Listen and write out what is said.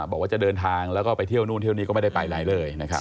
บอกว่าจะเดินทางแล้วก็ไปเที่ยวนู่นเที่ยวนี่ก็ไม่ได้ไปไหนเลยนะครับ